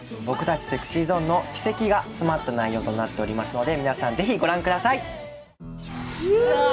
僕たちＳｅｘｙＺｏｎｅの軌跡が詰まった内容となっておりますので皆さんぜひご覧ください。ああ！